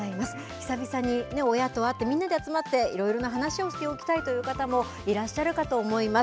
久々に親と会ってみんなで集まって、いろいろな話をしておきたいという方もいらっしゃるかと思います。